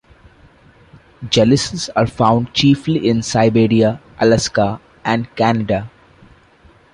Gelisols are found chiefly in Siberia, Alaska and Canada.